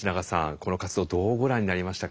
この活動どうご覧になりましたか？